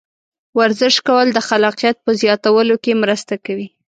ورزش کول د خلاقیت په زیاتولو کې مرسته کوي.